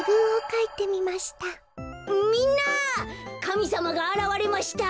かみさまがあらわれました。